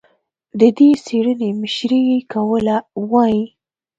د دې څېړنې مشري یې کوله، وايي